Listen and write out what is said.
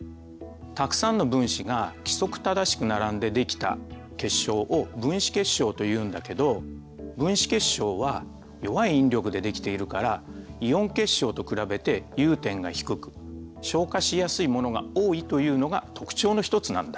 たくさんの分子が規則正しく並んでできた結晶を分子結晶というんだけど分子結晶は弱い引力でできているからイオン結晶と比べて融点が低く昇華しやすいものが多いというのが特徴のひとつなんだ。